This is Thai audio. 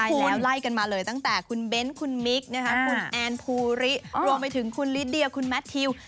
โอ้โหไล่กันมาเลยตั้งแต่คุณเบ้นคุณมิกคุณแอนภูริรวมไปถึงคุณลิเดียคุณแมททิว